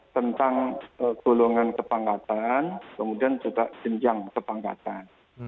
tentang golongan kepangkatan kemudian juga jenjang kepangkatan